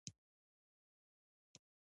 مناجات څه ته وايي او موضوع یې څه وي؟